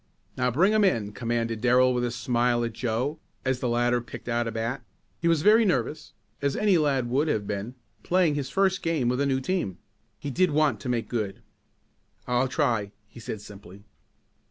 "Now, bring him in," commanded Darrell with a smile at Joe, as the latter picked out a bat. He was very nervous, as any lad would have been, playing his first game with a new team. He did want to make good! "I'll try," he said simply.